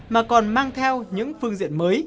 mà còn mang theo những phương diện mới